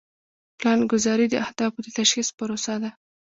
پلانګذاري د اهدافو د تشخیص پروسه ده.